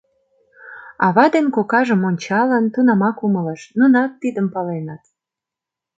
Ава ден кокажым ончалын, тунамак умылыш: нунат тидым паленыт.